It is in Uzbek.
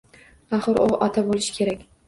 Axir u ota bo`lishi kerak